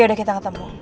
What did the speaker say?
yaudah kita ketemu